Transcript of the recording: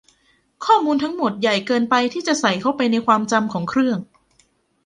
ข้อมูลทั้งหมดใหญ่เกินไปที่จะใส่เข้าไปในความจำของเครื่อง